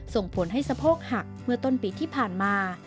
ส่งผลให้สะโพกหักเมื่อต้นปีที่ผ่านมา